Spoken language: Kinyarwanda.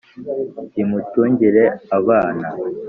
rimutungire abana.